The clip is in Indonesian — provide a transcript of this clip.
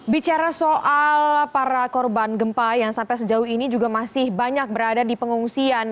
bicara soal para korban gempa yang sampai sejauh ini juga masih banyak berada di pengungsian